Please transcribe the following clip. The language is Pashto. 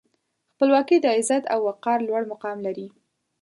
خپلواکي د عزت او وقار لوړ مقام لري.